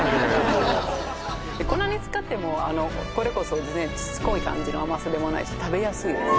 もうこんなに使ってもこれこそ全然しつこい感じの甘さでもないし食べやすいです